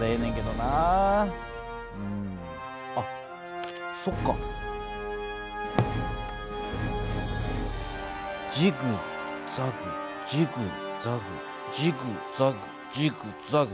あっそっかジグザグジグザグジグザグジグザグ。